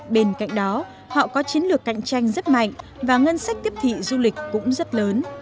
bên cạnh đó họ có chiến lược cạnh tranh rất mạnh và ngân sách tiếp thị du lịch cũng rất lớn